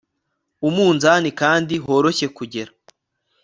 umunzani kandi horoshye kugera